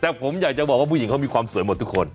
แต่ผมอยากจะบอกว่าผู้หญิงเขามีความสวยหมดทุกคน